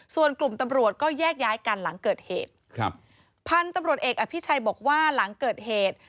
ส่วนกลุ่มตำรวจก็แยกย้ายกันหลังเกิดเหตุครับพันธุ์ตำรวจเอกอภิชัยบอกว่าหลังเกิดเหตุ